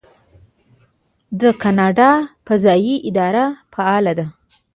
د کاناډا فضایی اداره فعاله ده.